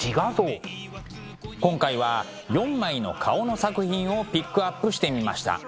今回は４枚の顔の作品をピックアップしてみました。